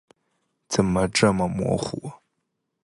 怎么这么模糊？